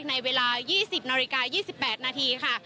ในเวลา๒๐นาฬิกา๒๘นาทีค่ะ